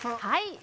はい。